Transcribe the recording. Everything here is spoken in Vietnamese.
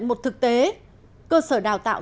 một thực tế cơ sở đào tạo